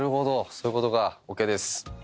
そういうことかＯＫです。